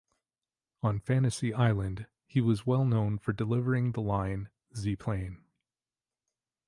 On "Fantasy Island", he was well known for delivering the line "Ze plane!